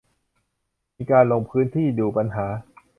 มีการลงพื้นที่ดูปัญหา